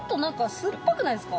酸っぱいですか？